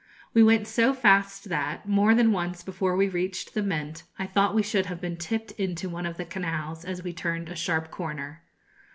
We went so fast that, more than once before we reached the Mint, I thought we should have been tipped into one of the canals, as we turned a sharp corner.